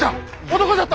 男じゃった！